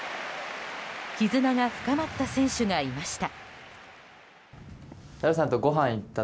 絆が深まった選手がいました。